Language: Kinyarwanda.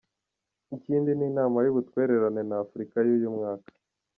Ikindi ni Inama y’ubutwererane na Afurika y’uyu mwaka.